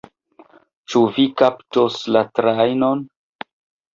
Ĉu vi kaptos la trajnon?